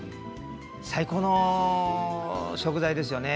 最高の食材ですよね